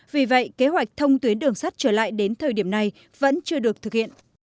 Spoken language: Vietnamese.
vì vậy kế hoạch thông tuyến đường sắt trở lại đến thời điểm này vẫn chưa được thực hiện